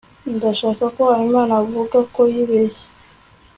ndashaka ko habimana avuga ko yibeshye